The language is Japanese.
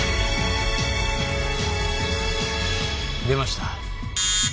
出ました。